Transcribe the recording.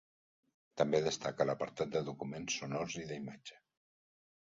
També destaca l'apartat de documents sonors i d'imatge.